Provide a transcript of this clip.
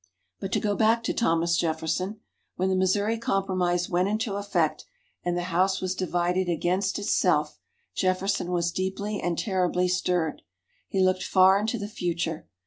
But to go back to Thomas Jefferson: When the Missouri Compromise went into effect, and "the house was divided against itself," Jefferson was deeply and terribly stirred. He looked far into the future.